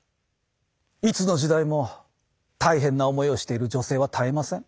いつの時代も大変な思いをしている女性は絶えません。